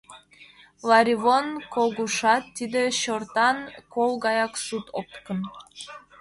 Ларивон Когушат — тиде чортан кол гаяк сут, опкын.